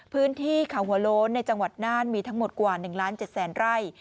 พื้นที่เขาหัวโล้นในจังหวัดน่านมีทั้งหมดกว่า๑ล้าน๗แสนไร่